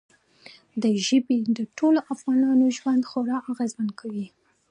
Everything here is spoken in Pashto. ژبې د ټولو افغانانو ژوند خورا اغېزمن کوي.